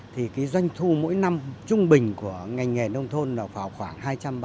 thì doanh thu mỗi năm trung bình của ngành nghề nông thôn là khoảng hai trăm ba mươi sáu